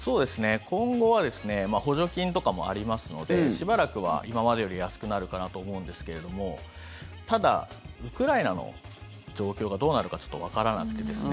今後はですね補助金とかもありますのでしばらくは今までより安くなるかなと思うんですけれどもただ、ウクライナの状況がどうなるかちょっとわからなくてですね